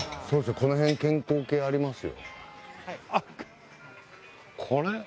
この辺健康系ありますよ